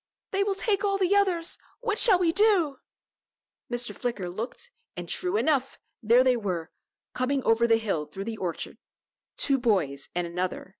They will take all the others. What shall we do?" Mr. Flicker looked, and, true enough, there they were, coming over the hill through the orchard two boys, and another.